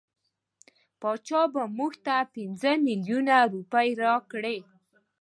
بادشاه به مونږ ته پنځه میلیونه روپۍ راکړي.